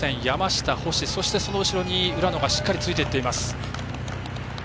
山下、星、その後ろに浦野がしっかりついていっています。